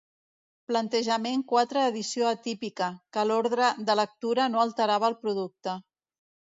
Plantejament quatre edició atípica, que l'ordre de lectura no alterava el producte.